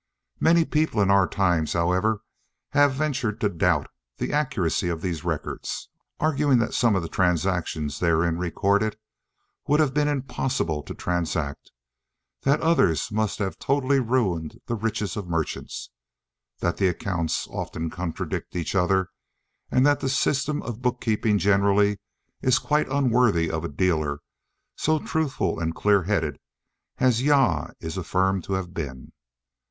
Many people in our times, however, have ventured to doubt the accuracy of these records, arguing that some of the transactions therein recorded it would have been impossible to transact, that others must have totally ruined the richest of merchants, that the accounts often contradict each other, and that the system of book keeping generally is quite unworthy of a dealer so truthful and clear headed as Jah is affirmed to have been.